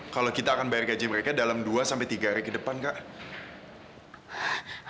kalau kita akan bayar gaji mereka dalam dua sampai tiga hari ke depan kak